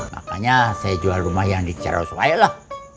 makanya saya jual rumah yang diceraus wae lah